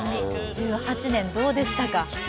１８年どうでしたか？